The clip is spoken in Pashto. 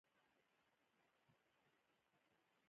واوره د افغانستان د اقلیم یوه مهمه ځانګړتیا ده.